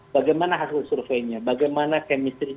bagaimana hasil surveinya bagaimana chemistry